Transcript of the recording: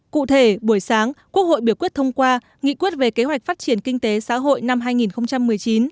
cụ thể buổi sáng quốc hội biểu quyết thông qua nghị quyết về kế hoạch phát triển kinh tế xã hội năm hai nghìn một mươi chín